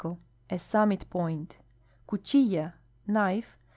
— A summit point. CuchiUa (knife).